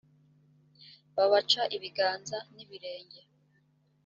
babaca ibiganza n ibirenge